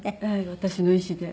私の意思で。